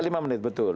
bisa lima menit betul